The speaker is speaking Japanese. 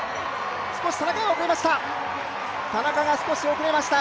少し田中が遅れました。